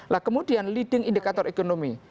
nah kemudian leading indicator ekonomi